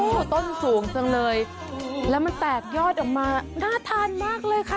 โอ้โหต้นสูงจังเลยแล้วมันแตกยอดออกมาน่าทานมากเลยค่ะ